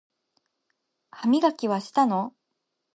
歯磨きはしたの？